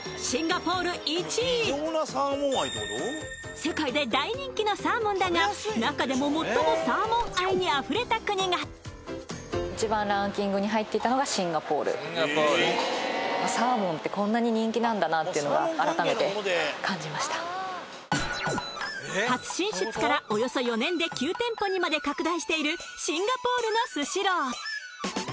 世界で大人気のサーモンだが中でも最もサーモン愛にあふれた国が初進出からおよそ４年で９店舗までに拡大しているシンガポールのスシロー。